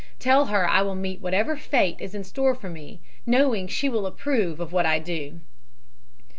Tell her I will meet whatever fate is in store for me, knowing she will approve of what I do.'"